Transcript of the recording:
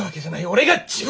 俺が自分で！